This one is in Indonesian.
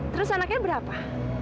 terus anaknya berapa